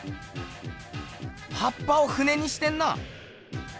はっぱを船にしてんなぁ。